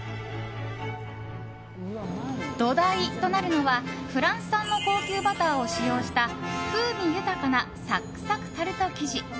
土台となるのは、フランス産の高級バターを使用した風味豊かなサクサクタルト生地。